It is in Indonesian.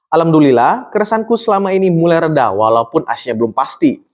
alhamdulillah keresahanku selama ini mulai reda walaupun aslinya belum pasti